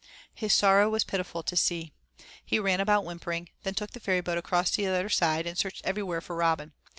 His sorrow was pitiful to see. He ran about whimpering, then took the ferryboat across to the other side, and searched everywhere for Robin.